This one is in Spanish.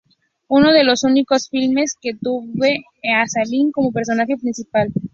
Uno de los únicos filmes que tiene a Stalin como personaje principal.